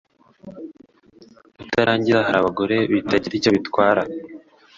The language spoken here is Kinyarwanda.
Kutarangiza hari abagore bitagira icyo bitwara